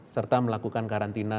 serta melakukan karantina